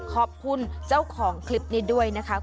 ขอบคุณเจ้าของคลิปนี้ด้วยนะคะ